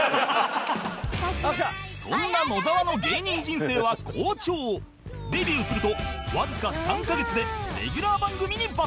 そんな野沢の芸人人生は好調デビューするとわずか３カ月でレギュラー番組に抜擢